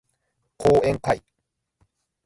講演会